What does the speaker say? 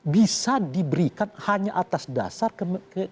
bisa diberikan hanya atas dasar